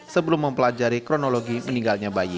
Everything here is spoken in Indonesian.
sebelum mempelajari kronologi meninggalnya bayi